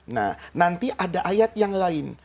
nah nanti ada ayat yang lain